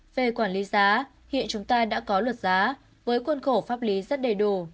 về quản lý giá hiện chúng ta đã có luật giá với khuôn khổ pháp lý rất đầy đủ